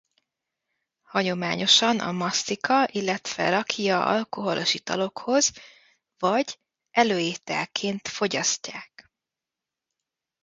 Hagyományosan a masztika illetve rakija alkoholos italokhoz vagy előételként fogyasztják.